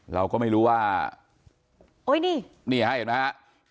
เราก็ไม่รู้ว่าโอ๊ยนี่นี่ฮะเห็นไหมฮะ